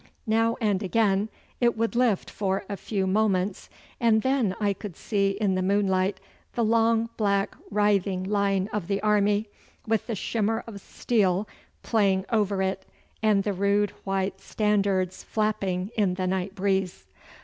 Now and again it would lift for a few moments, and then I could see in the moonlight the long black writhing line of the army, with the shimmer of steel playing over it, and the rude white standards flapping in the night breeze.